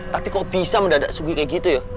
tapi kok bisa mendadak sugi kayak gitu ya